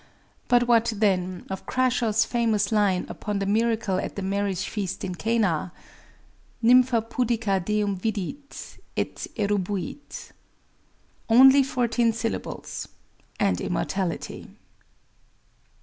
But what, then, of Crashaw's famous line upon the miracle at the marriage feast in Cana?— Nympha pudica Deum vidit, et erubuit. Only fourteen syllables—and immortality.